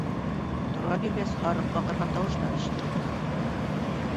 Тора биргәс, һарыҡ баҡырған тауыштар ишетелде.